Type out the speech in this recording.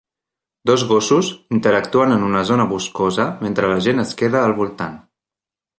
Dos gossos interactuen en una zona boscosa mentre la gent es queda al voltant.